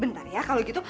bentar ya kalau gitu